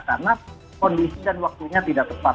karena kondisi dan waktunya tidak tepat